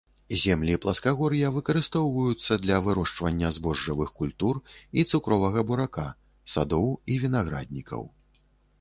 Землі пласкагор'я выкарыстоўваюцца для вырошчвання збожжавых культур і цукровага бурака, садоў і вінаграднікаў.